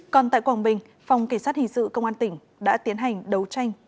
còn tại quảng bình phòng kỳ sát hình sự công an tỉnh đã tiến hành đấu tranh